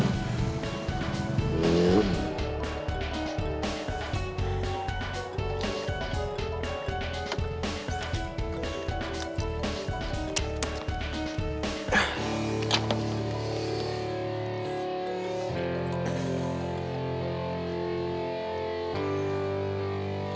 sama sekali bapak